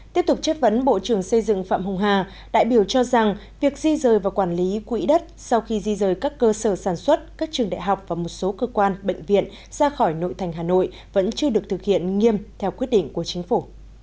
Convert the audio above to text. tiếp tục chất vấn bộ trưởng xây dựng phạm hùng hà đại biểu cho rằng việc di rời và quản lý quỹ đất sau khi di rời các cơ sở sản xuất các trường đại học và một số cơ quan bệnh viện ra khỏi nội thành hà nội vẫn chưa được thực hiện nghiêm theo quyết định của chính phủ